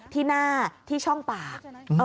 ที่หน้าที่ช่องปาก